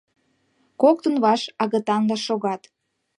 Коктын ваш агытанла шогат.